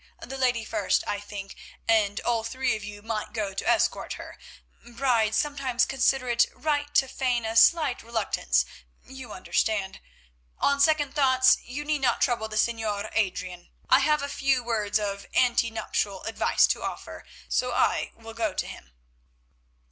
The lady first, I think—and all three of you might go to escort her. Brides sometimes consider it right to fain a slight reluctance—you understand? On second thoughts, you need not trouble the Señor Adrian. I have a new words of ante nuptial advice to offer, so I will go to him."